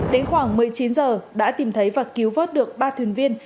đến khoảng một mươi chín giờ đã tìm thấy và cứu vớt được ba thuyền viên